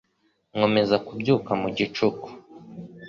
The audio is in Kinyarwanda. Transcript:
Nkomeza kubyuka mu gicuku